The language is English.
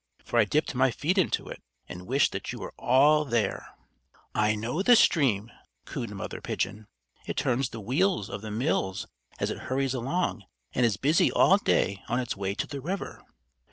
for I dipped my feet into it, and wished that you all were there." "I know the stream," cooed Mother Pigeon. "It turns the wheels of the mills as it hurries along, and is busy all day on its way to the river."